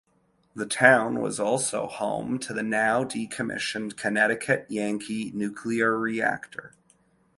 The town was also home to the now decommissioned Connecticut Yankee nuclear reactor.